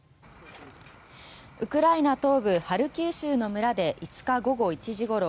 ウクライナ東部ハルキウ州の村で５日午後１時ごろ